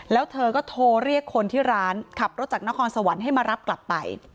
แล้วเธอก็โทรเรียกคนที่ร้านขับรถจากนครสวรรค์ให้มารับกลับไป